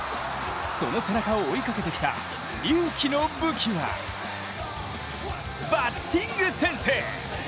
その背中を追いかけてきた隆輝の武器はバッティングセンス。